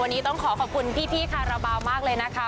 วันนี้ต้องขอขอบคุณพี่คาราบาลมากเลยนะคะ